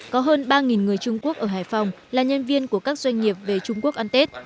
có hơn ba người trung quốc ở hải phòng là nhân viên của các doanh nghiệp về trung quốc ăn tết